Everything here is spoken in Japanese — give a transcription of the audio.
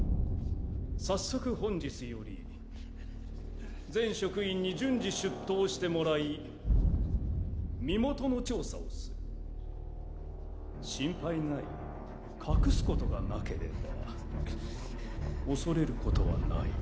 早速本日より全職員に順次出頭してもらい身元の調査をする心配ない隠すことがなければ恐れることはない